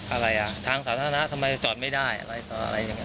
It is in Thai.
อะไรอ่ะทางสาธารณะทำไมจอดไม่ได้อะไรต่ออะไรอย่างนี้